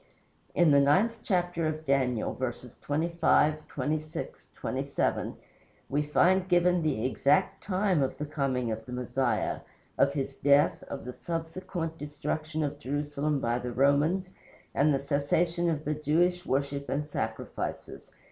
In the ninth chapter of Daniel, verses 25, 26, 27, we find given the exact time of the coming of the Messiah, of his death, of the subsequent destruction of Jerusalem by the Romans, and the cessation of the Jewish worship and sacrifices.